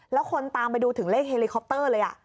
แล้วคนตามไปดูถึงเลขเฮลิคอปเตอร์เลย